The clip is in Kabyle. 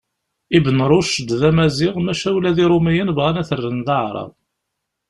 Ibn Rucd d amaziɣ maca ula d Iṛumiyen bɣan ad t-rren d aεrab.